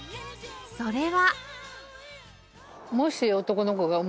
それは